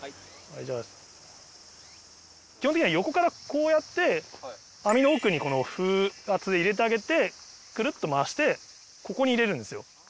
基本的には横からこうやって網の奥に風圧で入れてあげてくるっと回してここに入れるんですよ。